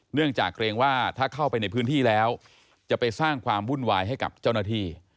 เนื่องจากเกรงว่าถ้าเข้าไปในพื้นที่แล้วจะไปสร้างความวุ่นวายให้กับเจ้าหน้าที่